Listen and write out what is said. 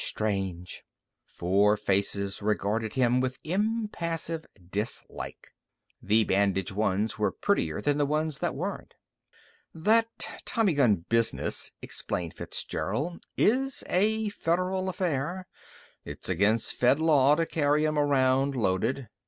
Strange!" Four faces regarded him with impassive dislike. The bandaged ones were prettier than the ones that weren't. "That tommy gun business," explained Fitzgerald, "is a federal affair. It's against Fed law to carry 'em around loaded.